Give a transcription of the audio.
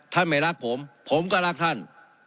ไม่รักผมผมก็รักท่าน